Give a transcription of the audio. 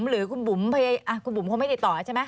หรือคุณบุ๋มควรไม่ติดต่อใช่ไหม